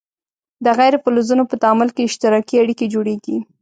د غیر فلزونو په تعامل کې اشتراکي اړیکې جوړیږي.